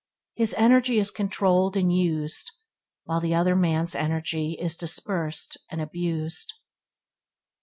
His energy is controlled and used, while the other man's energy is dispersed and abused.